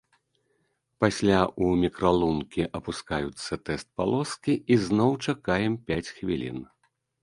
Пасля у мікралункі апускаюцца тэст-палоскі і зноў чакаем пяць хвілін.